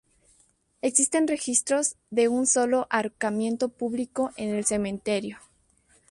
Existen registros de un solo ahorcamiento público en el cementerio.